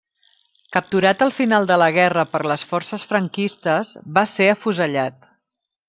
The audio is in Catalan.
Capturat al final de la guerra per les forces franquistes, va ser afusellat.